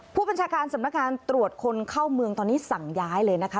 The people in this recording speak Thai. ผู้บัญชาการสำนักงานตรวจคนเข้าเมืองตอนนี้สั่งย้ายเลยนะคะ